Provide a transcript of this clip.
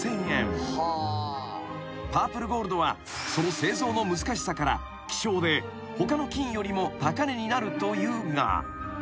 ［パープルゴールドはその製造の難しさから希少で他の金よりも高値になるというが］